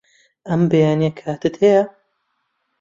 ئەم بەیانییە کاتت هەیە؟